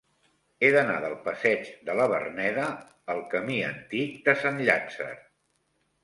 He d'anar del passeig de la Verneda al camí Antic de Sant Llàtzer.